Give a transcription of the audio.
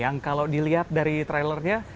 yang kalau dilihat dari trailernya